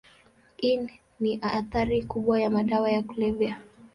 Hii ni athari kubwa ya madawa ya kulevya.